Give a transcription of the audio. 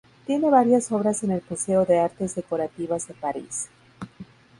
Tiene varias obras en el Museo de Artes Decorativas de París.